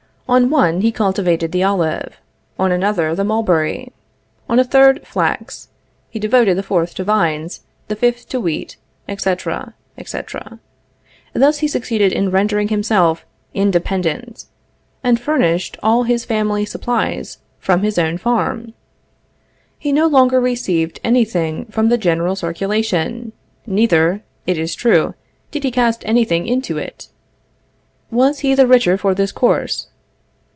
On one he cultivated the olive; on another the mulberry; on a third flax; he devoted the fourth to vines, the fifth to wheat, etc., etc. Thus he succeeded in rendering himself independent, and furnished all his family supplies from his own farm. He no longer received any thing from the general circulation; neither, it is true, did he cast any thing into it. Was he the richer for this course?